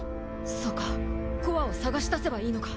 そうかコアを探し出せばいいのか。